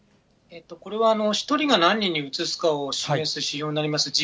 これは１人が何人にうつすかを示す指標になります